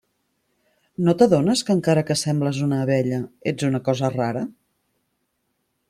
No t'adones que encara que sembles una abella, ets una «cosa rara»?